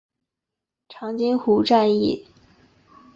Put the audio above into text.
长津湖战役